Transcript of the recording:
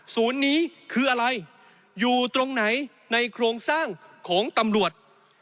ศูนย์นี้คืออะไรอยู่ตรงไหนในโครงสร้างของตำรวจ